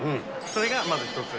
それがまず１つ。